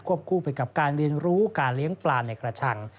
คู่ไปกับการเรียนรู้การเลี้ยงปลาในกระชัง